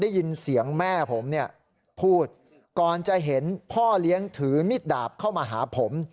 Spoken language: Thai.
ได้ยินเสียงแม่ผมเนี่ยพูดก่อนจะเห็นพ่อเลี้ยงถือมิดดาบเข้ามาหาผม